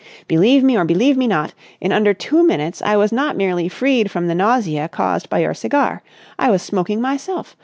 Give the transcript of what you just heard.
"Believe me or believe me not, in under two minutes I was not merely freed from the nausea caused by your cigar. I was smoking myself!